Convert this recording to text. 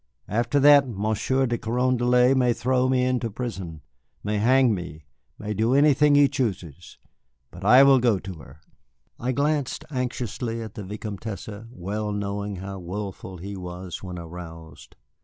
After that Monsieur de Carondelet may throw me into prison, may hang me, may do anything he chooses. But I will go to her." I glanced anxiously at the Vicomtesse, well knowing how wilful he was when aroused.